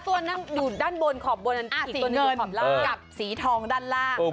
ตัวนั้นอยู่ด้านบนขอบบนสีตัวเงินกับสีทองด้านล่าง